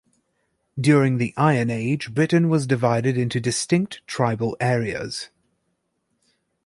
During the Iron Age Britain was divided into distinct tribal areas.